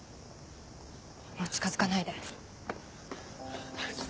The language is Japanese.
もう近づかないで。